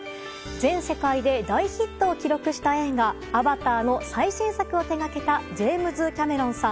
全世界で大ヒットを記録した映画「アバター」の最新作を手掛けたジェームズ・キャメロンさん。